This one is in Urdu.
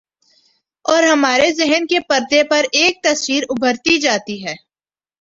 اورہمارے ذہن کے پردے پر ایک تصویر ابھرتی جاتی ہے۔